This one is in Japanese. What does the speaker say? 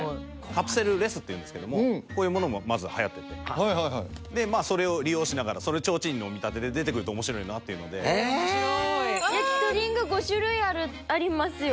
カプセルレスっていうんですけどもこういうものもまずはやっててはいはいはいそれを利用しながらそれをちょうちんに見立てて出てくると面白いなっていうのでへえやきとりングかわいい！